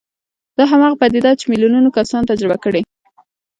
دا هماغه پديده ده چې ميليونونه کسانو تجربه کړې.